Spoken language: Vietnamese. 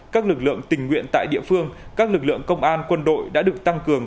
các lực lượng tình nguyện tại địa phương các lực lượng công an quân đội đã được tăng cường